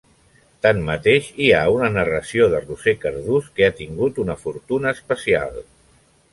Tanmateix, hi ha una narració de Roser Cardús que ha tingut una fortuna especial.